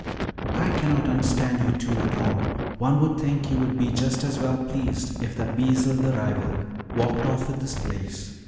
"I can't understand you two at all. One would think you would be just as well pleased if that Beezel the rival walked off with this place.